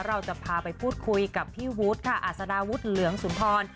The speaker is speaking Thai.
เราจะพาไปพูดคุยกับพี่วุฒิค่ะอัศดาวุฒิเหลืองสุนทร